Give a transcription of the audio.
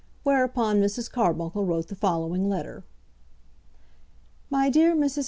Whereupon Mrs. Carbuncle wrote the following letter: MY DEAR MRS.